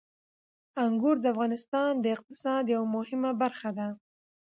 انګور د افغانستان د اقتصاد یوه مهمه برخه ده.